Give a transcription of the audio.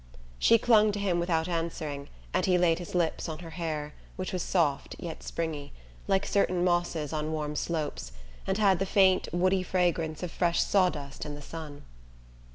She clung to him without answering, and he laid his lips on her hair, which was soft yet springy, like certain mosses on warm slopes, and had the faint woody fragrance of fresh sawdust in the sun.